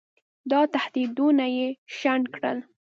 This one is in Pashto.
دا تهدیدونه یې شنډ کړل.